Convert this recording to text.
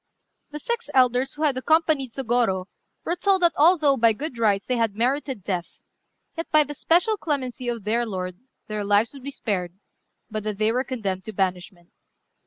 The six elders who had accompanied Sôgorô were told that although by good rights they had merited death, yet by the special clemency of their lord their lives would be spared, but that they were condemned to banishment.